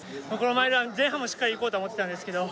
前半もしっかりいこうとは思ってたんですけど